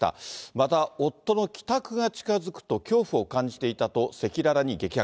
また、夫の帰宅が近づくと恐怖を感じていたと赤裸々に激白。